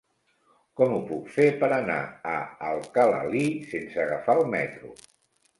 Com ho puc fer per anar a Alcalalí sense agafar el metro?